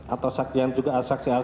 atau saksi yang juga asaksi dari